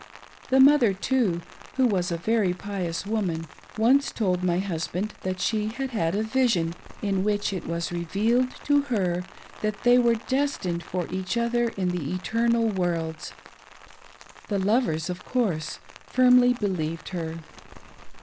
The mother, too, who was a very piotis woman, once told my husband that she had had a vision in which it was revealed to her that they were destined for each other in the eternd worlds:^ the lovers of 546" "le ONE. won't, another will!" course firmly believed her.